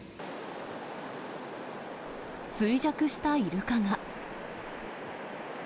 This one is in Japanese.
衰弱したイルカが。